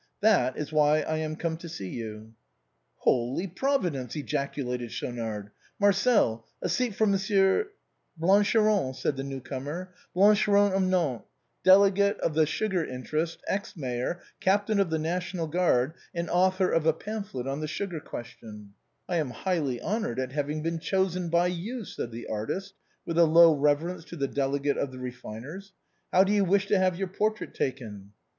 That is why I am come to see you." " Holy Providence !" ejaculated Schaunard. " Marcel, a seat for Monsieur "" Blancheron," said the new comer ;" Blancheron of Nantes, delegate of the sugar interest, Ex Mayor, Captain of the National Guard, and author of a pamphlet on the BUgar question." * Slang for Scylla and Charybdis. — Trans. A GOOD AN GEL. 41 " I am highly honored at having been chosen by you," said the artist, with a low reverence to the delegate of the refiners. " How do you wish your portrait taken